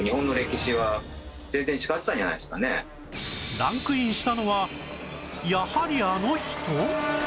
ランクインしたのはやはりあの人！？